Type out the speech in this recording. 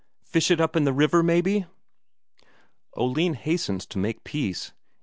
Fish it up in the river, maybe?" Oline hastens to make peace.